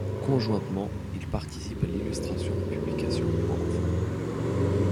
Conjointement, il participe à l'illustration de publications pour enfants.